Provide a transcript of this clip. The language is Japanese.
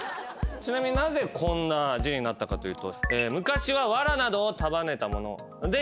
ちなみになぜこんな字になったかというと。